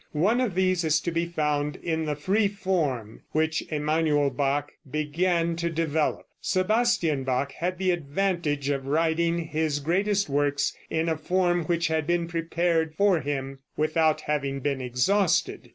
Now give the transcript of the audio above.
One of these is to be found in the free form which Emanuel Bach began to develop. Sebastian Bach had the advantage of writing his greatest works in a form which had been prepared for him, without having been exhausted.